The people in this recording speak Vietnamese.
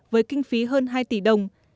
với kinh phí hơn hai tỷ đồng